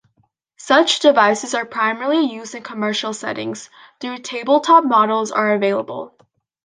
Such devices are primarily used in commercial settings, though tabletop models are available.